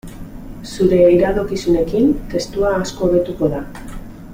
Zure iradokizunekin testua asko hobetuko da.